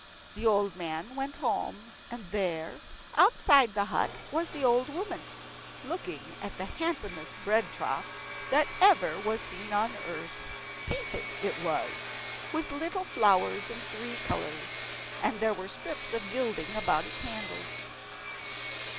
The old man went home, and there, outside the hut, was the old woman, looking at the handsomest bread trough that ever was seen on earth. Painted it was, with little flowers, in three colours, and there were strips of gilding about its handles.